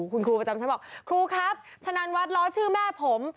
คุณครูประจำชั้นบอกครูครับชะนันวัดล้อชื่อแม่ผม